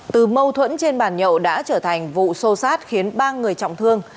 từ mâu thuẫn trên bàn nhậu đã trở thành vụ sô sát khiến ba người trọng thương